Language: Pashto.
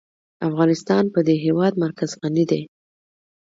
افغانستان په د هېواد مرکز غني دی.